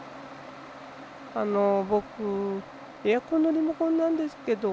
あのぼくエアコンのリモコンなんですけど。